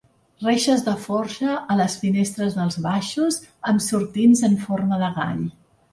Reixes de forja a les finestres dels baixos, amb sortints en forma de gall.